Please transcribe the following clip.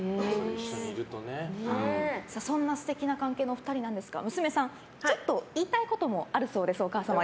そんな素敵な関係のお二人なんですが娘さん、ちょっと言いたいこともあるそうです。